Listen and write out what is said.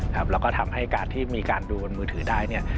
แล้วก็ทำให้การที่มีการดูบนมือถือได้เนี่ย